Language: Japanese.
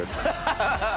ハハハ！